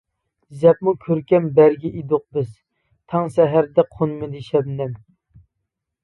زەپمۇ كۆركەم بەرگى ئىدۇق بىز، تاڭ سەھەردە قونمىدى شەبنەم.